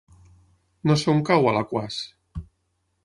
No sé on cau Alaquàs.